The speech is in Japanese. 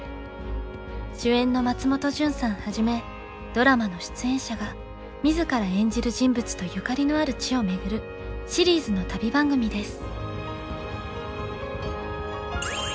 主演の松本潤さんはじめドラマの出演者が自ら演じる人物とゆかりのある地を巡るシリーズの旅番組です。